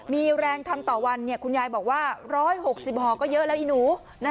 มีแรงทำต่อวันคุณยายบอกว่า๑๖๐ห่อก็เยอะแล้วอีหนู